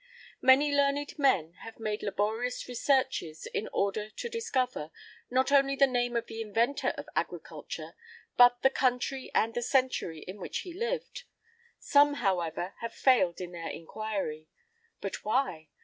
[I 1] Many learned men have made laborious researches in order to discover, not only the name of the inventor of agriculture, but the country and the century in which he lived; some, however, have failed in their inquiry. And why?